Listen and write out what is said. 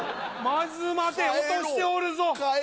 まず待て落としておるぞ。